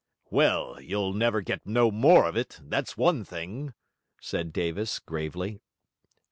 'Well, you'll never get no more of it that's one thing,' said Davis, gravely.